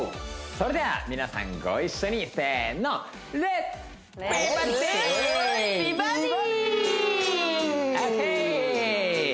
それでは皆さんご一緒にせーのオッケー！